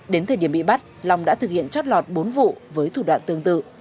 đến thời điểm bị bắt long đã thực hiện trót lọt bốn vụ với thủ đoạn tương tự